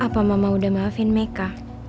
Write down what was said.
apa mama udah maafin meka